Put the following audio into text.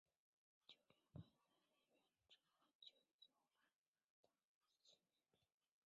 酒令牌在元朝有安雅堂觥律。